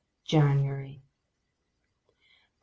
JANUARY. 1.